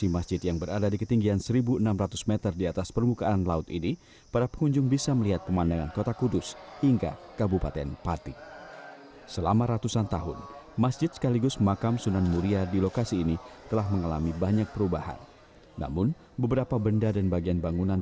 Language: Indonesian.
masjid sunan muria